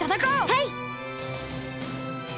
はい！